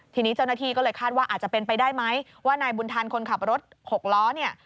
ทีนี้เจ้าหน้าที่ก็เลยคาดว่าอาจจะเป็นไปได้ไหมว่านายบุญทันคนขับรถหกล้อเนี่ย